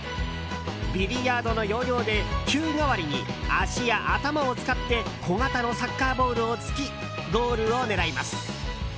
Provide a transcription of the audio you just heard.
ビリヤードの要領でキュー代わりに足や頭を使って小型のサッカーボールを突きゴールを狙います。